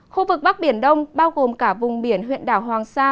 khu vực bắc biển đông bao gồm cả vùng biển huyện đảo hoàng sa